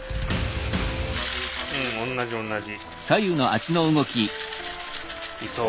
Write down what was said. うん同じ同じ。